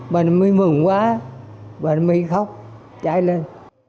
bà nam bi mừng quá bà nam bi khóc chạy lên